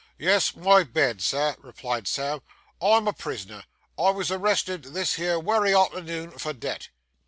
'Yes, my bed, Sir,' replied Sam, 'I'm a prisoner. I was arrested this here wery arternoon for debt.